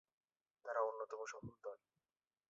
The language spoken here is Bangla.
তারা অন্যতম সফল দল।